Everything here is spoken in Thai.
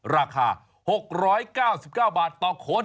ราคา๖๙๙บาทต่อคน